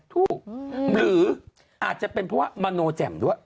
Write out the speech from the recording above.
ถูกหรืออาจจะเป็นเพราะว่ามโนแจ่มด้วย